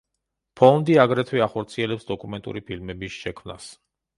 ფონდი აგრეთვე ახორციელებს დოკუმენტური ფილმების შექმნას.